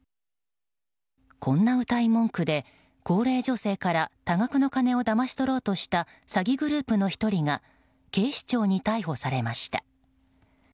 こんなうたい文句で高齢女性から多額の金をだまし取ろうとした詐欺グループの１人が警視庁に逮捕されました。